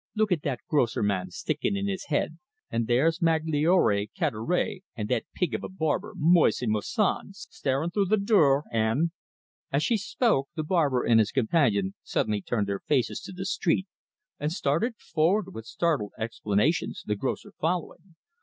"Look at that grocer man stickin' in his head; and there's Magloire Cadoret and that pig of a barber, Moise Moisan, starin' through the dure, an' " As she spoke, the barber and his companion suddenly turned their faces to the street, and started forward with startled exclamations, the grocer following.